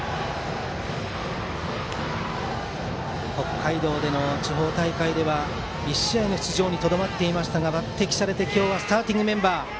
北海道での地方大会では１試合の出場にとどまっていましたが抜擢されて今日はスターティングメンバー。